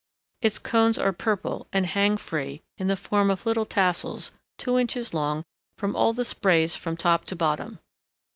Its cones are purple, and hang free, in the form of little tassels two inches long from all the sprays from top to bottom.